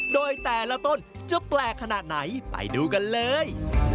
โดยแต่ละต้นจะแปลกขนาดไหนไปดูกันเลย